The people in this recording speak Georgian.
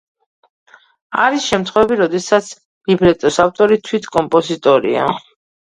არის შემთხვევები, როდესაც ლიბრეტოს ავტორი თვით კომპოზიტორია.